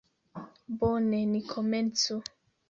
Bone, ni komencu.